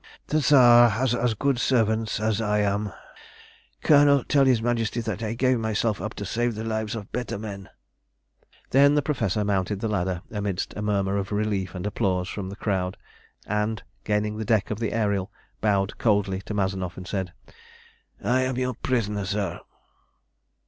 The Tsar has as good servants as I am! Colonel, tell his Majesty that I gave myself up to save the lives of better men." Then the Professor mounted the ladder amidst a murmur of relief and applause from the crowd, and, gaining the deck of the Ariel, bowed coldly to Mazanoff and said "I am your prisoner, sir!"